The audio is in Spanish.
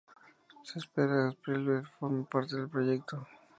Se espera que Spielberg forme parte del proyecto.